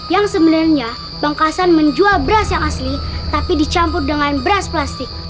yang sebenarnya bangkasan menjual beras yang asli tapi dicampur dengan beras plastik